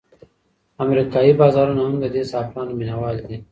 امریکایي بازارونه هم د دې زعفرانو مینوال دي.